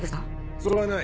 それはない。